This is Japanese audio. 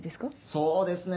そうですね